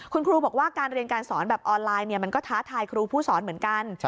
คุณครูบอกว่าการเรียนการสอนแบบออนไลน์มันก็ท้าทายครูผู้สอนเหมือนกัน